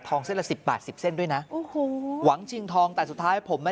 ทองเส้นละ๑๐บาท๑๐เส้นด้วยนะหวังชิงทองแต่สุดท้ายผมไม่